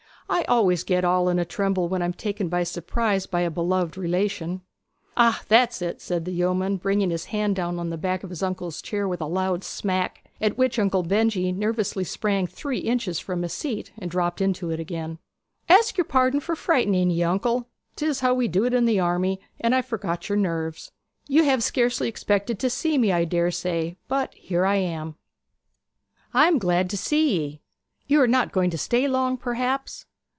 'I always get all in a tremble when I am taken by surprise by a beloved relation.' 'Ah, that's it!' said the yeoman, bringing his hand down on the back of his uncle's chair with a loud smack, at which Uncle Benjy nervously sprang three inches from his seat and dropped into it again. 'Ask your pardon for frightening ye, uncle. 'Tis how we do in the army, and I forgot your nerves. You have scarcely expected to see me, I dare say, but here I am.' 'I am glad to see ye. You are not going to stay long, perhaps?'